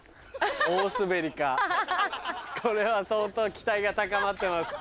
これは相当期待が高まってます。